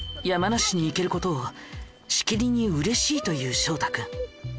山梨に行けることをしきりにうれしいという翔太君。